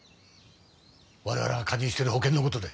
我々が加入してる保険の事で。